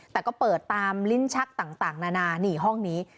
แต่ก็เปิดตามลิ้นชักต่างนานานี่ห้องนี้